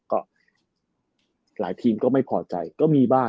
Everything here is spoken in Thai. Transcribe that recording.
ก็หลายทีมก็ไม่พอใจก็มีบ้าง